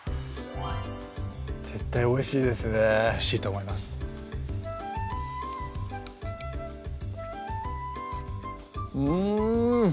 絶対おいしいですねおいしいと思いますうん！